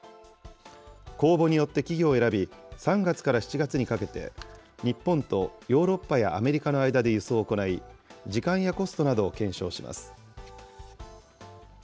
公募によって企業を選び、３月から７月にかけて、日本とヨーロッパやアメリカの間で輸送を行い、時間やコストなどを検証します。